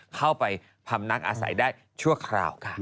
เข้าไปพำนักอาศัยได้ชั่วคราวกัน